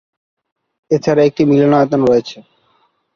এছাড়া একটি মিলনায়তন রয়েছে।